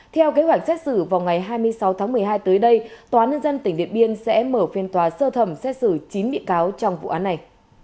theo kế hoạch xét xử vào ngày hai mươi sáu tháng một mươi hai tới đây tòa nhân dân tỉnh điện biên sẽ mở phiên tòa sơ thẩm xét xử chín bị cáo trong vụ án này